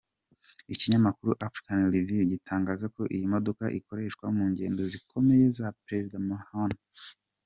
Ikinyamakuru Africa Review gitangaza ko iyi modoka ikoreshwa mu ngendo zikomeye za Perezida Mahama.